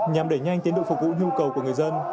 nhằm đẩy nhanh tiến độ phục vụ nhu cầu của người dân